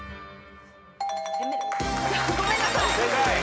ごめんなさい。